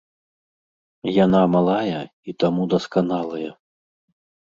Яна малая і таму дасканалая.